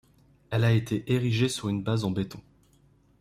Elle a été érigée sur une base en béton.